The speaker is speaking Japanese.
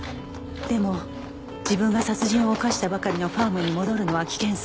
でも自分が殺人を犯したばかりのファームに戻るのは危険すぎる。